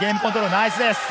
ナイスです。